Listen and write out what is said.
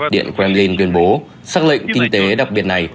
điện kremlin tuyên bố xác lệnh kinh tế đặc biệt này